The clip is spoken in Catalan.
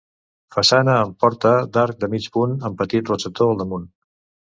Façana amb porta d'arc de mig punt amb petit rosetó al damunt.